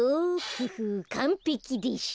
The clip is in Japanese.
フフッかんぺきでしょ。